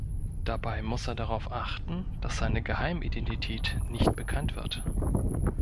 Dabei muss er darauf achten, dass seine Geheimidentität nicht bekannt wird.